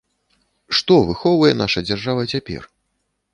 Што выхоўвае наша дзяржава цяпер?